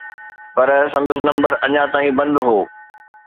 پر سندس نمبر اڃا تائين بند هو.